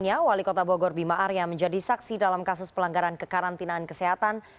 wali kota bogor bima arya menjadi saksi dalam kasus pelanggaran kekarantinaan kesehatan